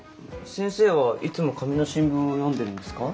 先生はいつも紙の新聞を読んでるんですか？